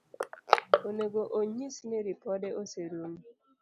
Onego onyis ni ripodi oserumo.